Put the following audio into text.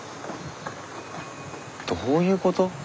どういうこと？